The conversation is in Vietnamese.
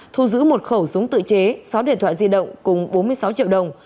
thu giữ một khẩu súng tự chế sáu điện thoại di động cùng bốn mươi sáu triệu đồng